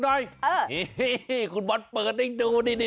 เออนี่คุณบอลเปิดได้ดูดิ